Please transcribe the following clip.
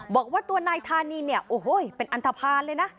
บอกว่าตัวนายธานีเนี่ยโอ้โหเป็นอันทภาณเลยนะ